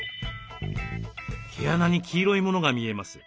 毛穴に黄色いものが見えます。